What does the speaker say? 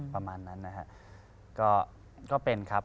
ประมาณนั้นนะฮะก็เป็นครับ